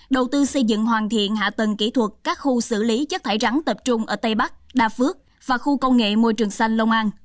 đầu tư xây dựng hoàn thiện hạ tầng kỹ thuật các khu xử lý chất thải rắn tập trung ở tây bắc đa phước và khu công nghệ môi trường xanh lông an